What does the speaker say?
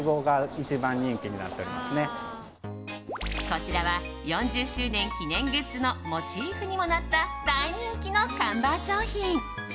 こちらは４０周年記念グッズのモチーフにもなった大人気の看板商品。